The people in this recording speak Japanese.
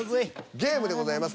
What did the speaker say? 「ゲーム」でございます。